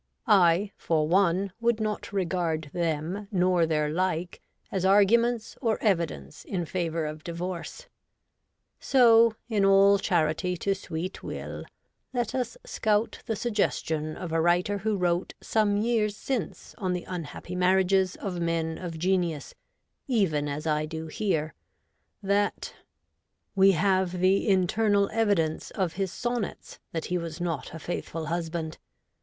I, for one, would not regard them nor their like as arguments or evidence in favour of divorce. So, in all charity to sweet Will, let us scout the suggestion of a writer who wrote some years since on the SOME ILL MADE MATCHES. loi unhappy marriages of men of genius, even as I do here, that ' we have the internal evidence of his son nets that he was not a faithful husband.'